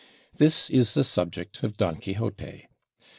This is the subject of 'Don Quixote.'